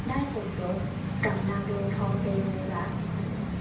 ได้ส่งรถกับหนางรงค์ท้องเตรียมรัก